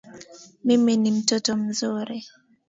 Mimi ni mtoto mzuri